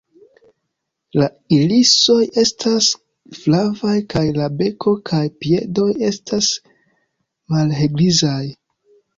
La irisoj estas flavaj kaj la beko kaj piedoj estas malhelgrizaj.